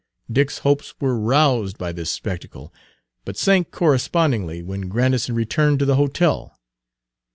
Dick's hopes were roused by this spectacle, but sank correspondingly when Grandison returned to the hotel.